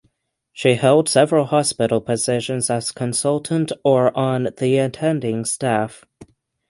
She held several hospital positions as consultant or on the attending staff.